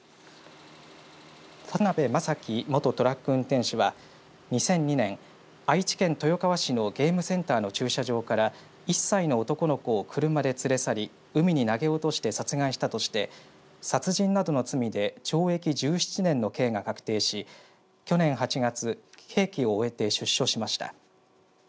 田辺雅樹元トラック運転手は２００２年愛知県豊川市のゲームセンターの駐車場から１歳の男の子を車で連れ去り海に投げ落として殺害したとして殺人などの罪で懲役１７年の刑が確定し去年８月刑期を終えて出所しました。